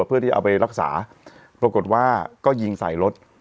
เพื่อที่เอาไปรักษาปรากฏว่าก็ยิงใส่รถ